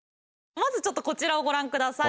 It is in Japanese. まずちょっとこちらをご覧下さい。